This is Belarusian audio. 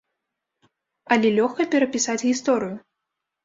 Але лёгка перапісаць гісторыю.